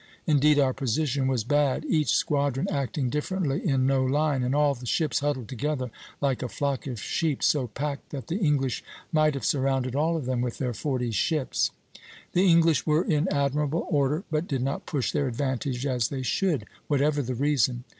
Indeed, our position was bad, each squadron acting differently, in no line, and all the ships huddled together like a flock of sheep, so packed that the English might have surrounded all of them with their forty ships [June 12, Fig. 2]. The English were in admirable order, but did not push their advantage as they should, whatever the reason."